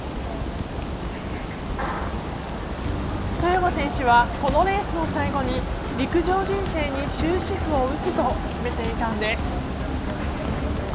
外山選手は、このレースを最後に陸上人生に終止符を打つと決めていたんです。